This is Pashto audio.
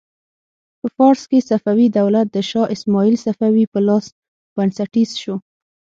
په فارس کې صفوي دولت د شا اسماعیل صفوي په لاس بنسټیز شو.